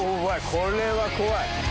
これは怖い。